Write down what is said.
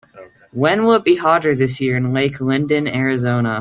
When will it be hotter this year in Lake Linden, Arizona